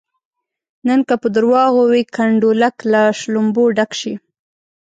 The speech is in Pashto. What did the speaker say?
نن که په درواغو وي کنډولک له شلومبو ډک شي.